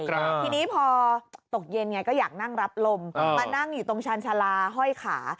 ทีนี้พอตกเย็นไงก็อยากนั่งรับลมมานั่งอยู่ตรงชาญชาลาห้อยขา